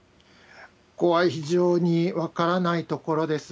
ここは非常に分からないところです。